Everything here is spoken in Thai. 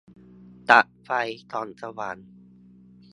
ตัดไฟส่องสว่าง